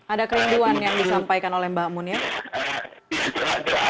ada kerinduan yang disampaikan oleh mbak amun ya